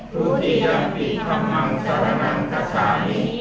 ทุติยังปิตพุทธธังสาระนังขาชามี